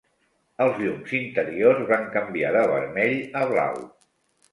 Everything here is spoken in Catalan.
Els llums interiors van canviar de vermell a blau.